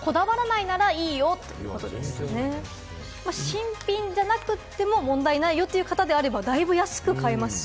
新品じゃなくても問題ないよという方であれば、だいぶ安く買えますし。